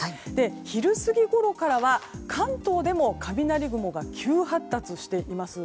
昼過ぎごろからは関東でも雷雲が急発達していきます。